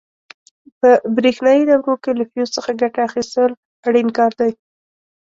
په برېښنایي دورو کې له فیوز څخه ګټه اخیستل اړین کار دی.